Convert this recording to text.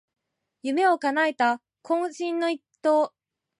夢をかなえた懇親の一投